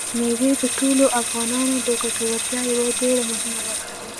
مېوې د ټولو افغانانو د ګټورتیا یوه ډېره مهمه برخه ده.